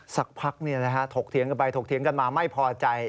สักพักถกเถียงกันไปถกเถียงกันมาไม่พอใจ